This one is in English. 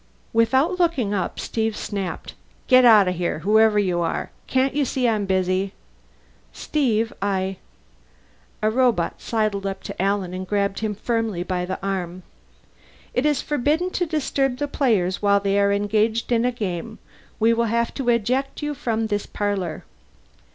Without looking up Steve snapped, "Get out of here, whoever you are! Can't you see I'm busy?" "Steve, I " A robot sidled up to Alan and grasped him firmly by the arm. "It is forbidden to disturb the players while they are engaged in the game. We will have to eject you from this parlor."